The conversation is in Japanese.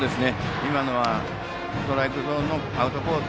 今のはストライクゾーンのアウトコース